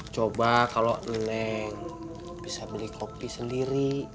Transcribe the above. coba kalau leng bisa beli kopi sendiri